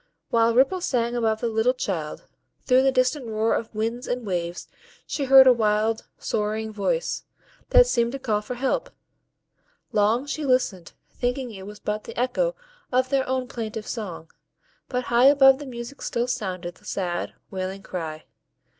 While Ripple sang above the little child, through the distant roar of winds and waves she heard a wild, sorrowing voice, that seemed to call for help. Long she listened, thinking it was but the echo of their own plaintive song, but high above the music still sounded the sad, wailing cry.